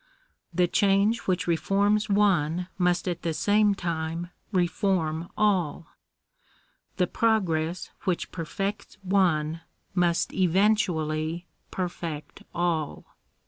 The change which reforms one must at the same time reform all. The progress which perfects one must eventually perfect all.